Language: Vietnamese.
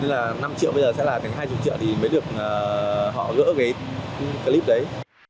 nên là năm triệu bây giờ sẽ là hai mươi triệu thì mới được họ gỡ cái clip đấy